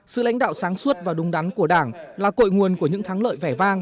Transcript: sự lãnh đạo sáng suốt và đúng đắn của đảng là cội nguồn của những thắng lợi vẻ vang